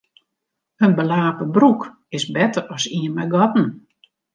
In belape broek is better as ien mei gatten.